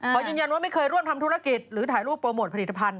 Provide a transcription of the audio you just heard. ขอยืนยันว่าไม่เคยร่วมทำธุรกิจหรือถ่ายรูปโปรโมทผลิตภัณ